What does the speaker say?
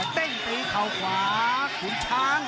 เต้นตีเข่าขวาขุนช้าง